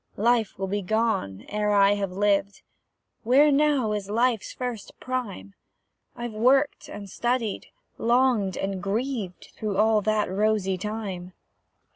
Life will be gone ere I have lived; Where now is Life's first prime? I've worked and studied, longed and grieved, Through all that rosy time.